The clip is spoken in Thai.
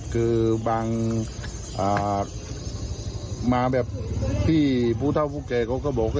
คือบางมาแบบที่ภูเท่าฟูเกรก็บอก